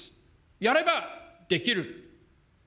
やればできる。